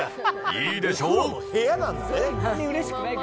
いいでしょう？